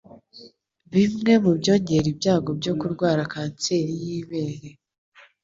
Bimwe mu byongera ibyago byo kurwara kanseri y'ibere